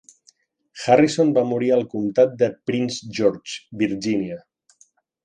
Harrison va morir al comtat de Prince George, Virgínia.